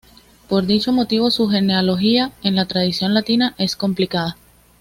Por dicho motivo, su genealogía en la tradición latina es complicada.